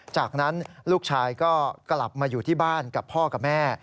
จากนั้นลูกชายก็กลับมาอยู่ที่บ้านกับพ่อกับแม่